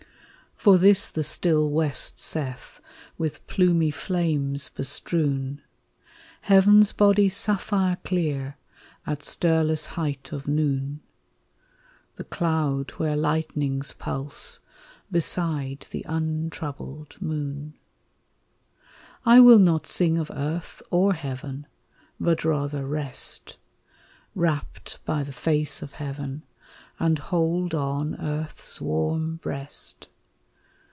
For this the still west saith, with plumy flames bestrewn; Heaven's body sapphire clear, at stirless height of noon; The cloud where lightnings pulse, beside the untroubled moon. I will not sing of earth or heaven, but rather rest, Rapt by the face of heaven, and hold on earth's warm breast.